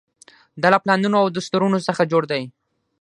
دا له پلانونو او دستورونو څخه جوړ دی.